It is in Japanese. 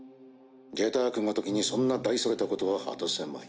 ジェタークごときにそんな大それたことは果たせまい。